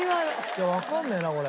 いやわかんねえなこれ。